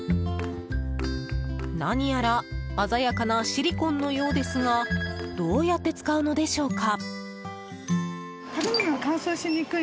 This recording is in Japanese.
何やら鮮やかなシリコンのようですがどうやって使うのでしょうか。